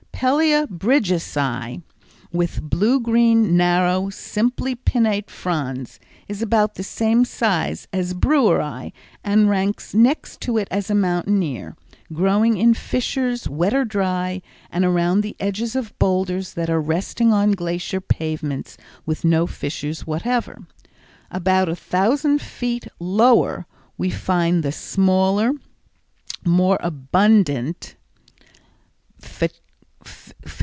Pellaea Bridgesii, with blue green, narrow, simply pinnate fronds, is about the same size as Breweri and ranks next to it as a mountaineer, growing in fissures, wet or dry, and around the edges of boulders that are resting on glacier pavements with no fissures whatever. About a thousand feet lower we find the smaller, more abundant _P.